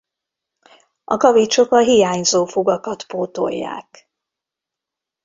A kavicsok a hiányzó fogakat pótolják.